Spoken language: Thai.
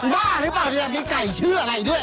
บ้าหรือเปล่าเนี่ยมีไก่ชื่ออะไรด้วย